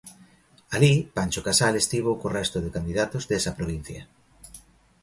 Alí, Pancho Casal estivo co resto de candidatos desa provincia.